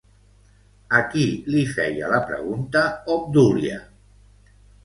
A qui li feia la pregunta Obdúlia?